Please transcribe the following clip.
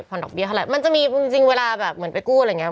พอดอกเบี้ยเท่าไหร่มันจะมีจริงเวลาแบบเหมือนไปกู้อะไรอย่างนี้